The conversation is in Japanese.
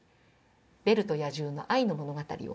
「ベルと野獣の愛の物語を」